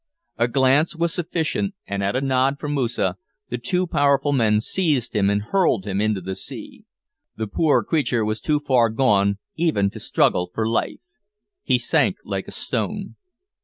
A glance was sufficient and at a nod from Moosa, the two powerful men seized him and hurled him into the sea. The poor creature was too far gone even to struggle for life. He sank like a stone.